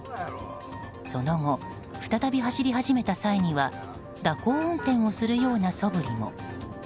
その後、再び走り始めた際には蛇行運転をするようなそぶりも。